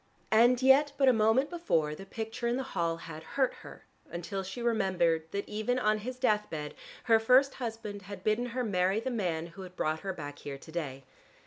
And yet but a moment before the picture in the hall had "hurt" her, until she remembered that even on his death bed her first husband had bidden her marry the man who had brought her back here to day.